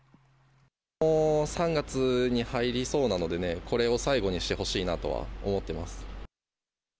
もう３月に入りそうなのでね、これを最後にしてほしいなとは思ってます。